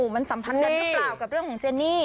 มันสัมพันธ์กันหรือเปล่ากับเรื่องของเจนี่